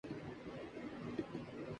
internet پر ان فنکاروں کو کبھی سرچ مت کریں